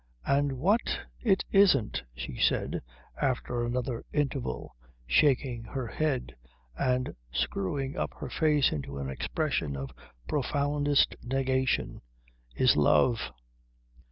"And what it isn't," she said after another interval, shaking her head and screwing up her face into an expression of profoundest negation, "is love."